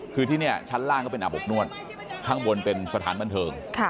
คือที่นี่ชั้นล่างก็เป็นอาบอบนวดข้างบนเป็นสถานบันเทิง